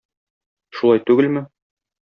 Шулай түгелме?